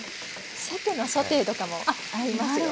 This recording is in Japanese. さけのソテーとかも合いますよ。